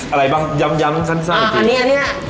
อะไรบ้างย้ำย้ำสั้นอีกทีอ่าอันนี้อันนี้อ่ะ